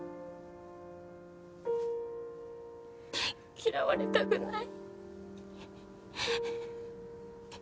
嫌われたくない。